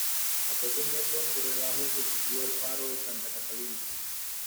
A pocos metros por debajo se sitúa el faro de Santa Catalina.